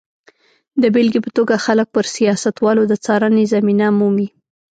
د بېلګې په توګه خلک پر سیاستوالو د څارنې زمینه مومي.